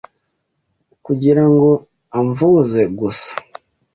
kugira ngo amvuze gusa